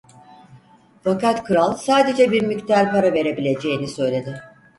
Fakat kral sadece bir miktar para verebileceğini söyledi.